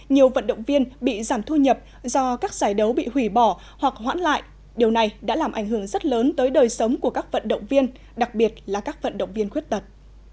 nhiều vận động viên bị giảm thu nhập do các giải đấu bị hủy bỏ hoặc hoãn lại điều này đã làm ảnh hưởng rất lớn tới đời sống của các vận động viên đặc biệt là các vận động viên khuyết tật